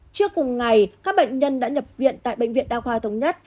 trước cùng ngày các bệnh nhân đã nhập viện tại bệnh viện đa khoa thống nhất